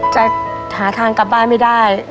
จะหาทางกลับบ้านไม่ได้